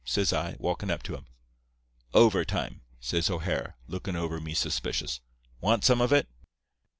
says I, walkin' up to him. "'Overtime,' says O'Hara, lookin' over me suspicious. 'Want some of it?